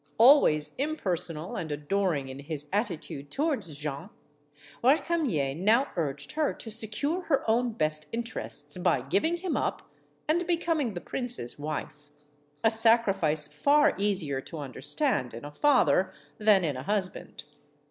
Always impersonal and adoring in his attitude toward Jeanne, Recamier now urged her to secure her own best interests by giving him up and becoming the prince's wife; a sacrifice far easier to understand in a father than in a husband.